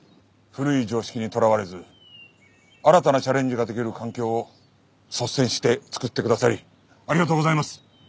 古い常識にとらわれず新たなチャレンジができる環境を率先して作ってくださりありがとうございます。